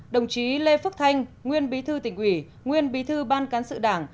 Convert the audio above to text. đồng chí lê phước thanh nguyên bí thư tỉnh ủy nguyên bí thư ban cán sự đảng